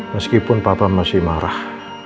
meskipun papa masih marah